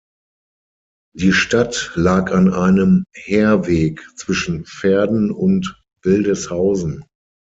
Die Stadt lag an einem Heerweg zwischen Verden und Wildeshausen.